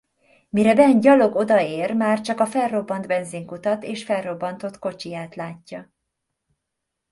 Mire Ben gyalog odaér már csak a felrobbant benzinkutat és felrobbantott kocsiját látja.